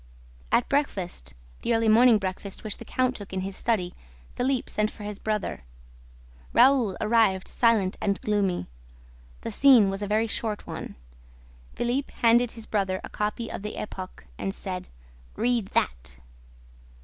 At breakfast the early morning breakfast, which the count took in his study Philippe sent for his brother. Raoul arrived silent and gloomy. The scene was a very short one. Philippe handed his brother a copy of the Epoque and said: "Read that!"